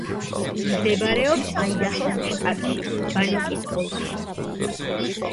მდებარეობს აიდაჰოს შტატში, ბანოკის ოლქში.